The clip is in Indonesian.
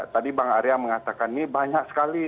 tadi bang arya mengatakan ini banyak sekali